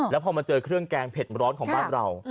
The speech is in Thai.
แล้วพอมาเจอเครื่องแกงเผ็ดร้อนของบ้านเรา